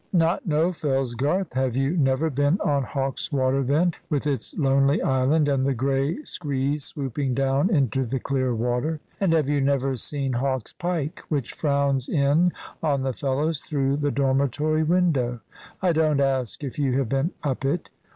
Not know Fellsgarth! Have you never been on Hawkswater then, with its lonely island, and the grey screes swooping down into the clear water? And have you never seen Hawk's Pike, which frowns in on the fellows through the dormitory window? I don't ask if you have been up it.